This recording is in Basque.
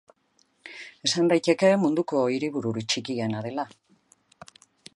Esan daiteke munduko hiribururik txikiena dela.